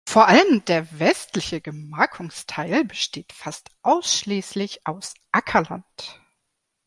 Vor allem der westliche Gemarkungsteil besteht fast ausschließlich aus Ackerland.